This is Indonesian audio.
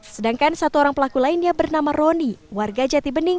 sedangkan satu orang pelaku lainnya bernama roni warga jati bening